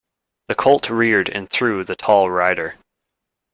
The colt reared and threw the tall rider.